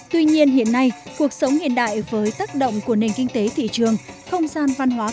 tuy nhiên hiện nay cuộc sống hiện đại với tác động của nền kinh tế thị trường không gian văn hóa